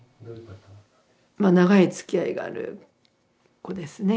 まあ長いつきあいがある子ですね。